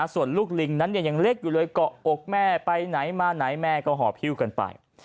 ส่วนลูกลิงนั้นยังเล็กอยู่เลยเกาะอกแม่ไปไหนมาไหนแม่ก็หอบหิ้วกันไป